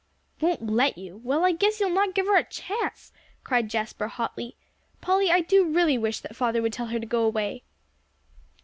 "Won't let you? Well, I guess you'll not give her a chance," cried Jasper hotly. "Polly, I do really wish that father would tell her to go away."